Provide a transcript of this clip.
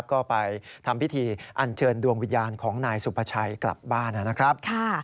ก็ไปทำพิธีอันเชิญดวงวิญญาณของนายสุภาชัยกลับบ้านนะครับ